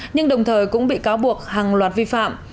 nhưng đồng thời cũng bị cáo buộc hàng loạt vi phạm